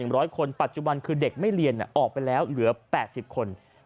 ร้อยคนปัจจุบันคือเด็กไม่เรียนออกไปแล้วเหลือ๘๐คน